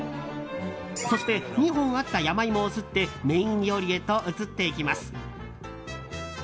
そして、２本あったヤマイモをすってメイン料理へと移っていきます。